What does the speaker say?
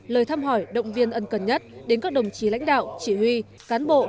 lời thăm hỏi động viên ân cần nhất đến các đồng chí lãnh đạo chỉ huy cán bộ